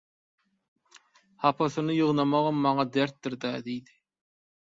Hapasyny ýygnamagam maňa dertdir-dä" diýdi.